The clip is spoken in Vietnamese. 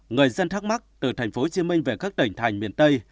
người dân thắc mắc từ tp hcm về các tỉnh thành miền tây